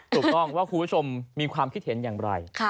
ถูกต้องว่าคุณผู้ชมมีความคิดเห็นอย่างไร